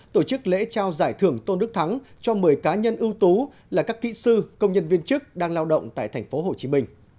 tổ chức lễ trao giải thưởng tôn đức thắng cho một mươi cá nhân ưu tú là các kỹ sư công nhân viên chức đang lao động tại tp hcm